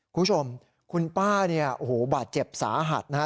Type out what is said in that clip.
คุณผู้ชมคุณป้าเนี่ยโอ้โหบาดเจ็บสาหัสนะฮะ